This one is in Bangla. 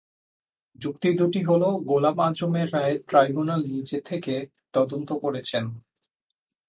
যুক্তি দুটি হলো গোলাম আযমের রায়ে ট্রাইব্যুনাল নিজে থেকে তদন্ত করেছেন।